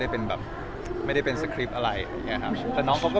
มันก็จะเป็นความรู้สึกของเขา